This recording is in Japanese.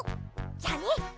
じゃあね。